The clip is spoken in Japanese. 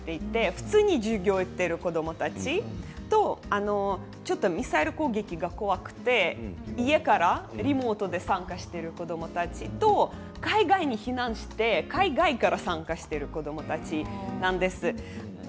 普通に授業に行っている子どもたちミサイル攻撃が怖くて家からリモート参加している子どもたちそれと避難先の海外から参加している子どもたちなんです。